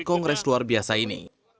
kongres luar biasa ini